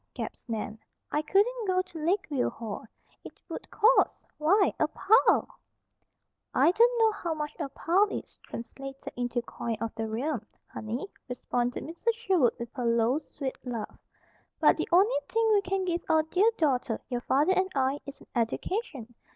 gasped Nan. "I couldn't go to Lakeview Hall. It would cost, why! a pile!" "I don't know how much a pile is, translated into coin of the realm, honey," responded Mrs. Sherwood with her low, sweet laugh. "But the only thing we can give our dear daughter, your father and I, is an education.